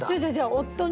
夫に。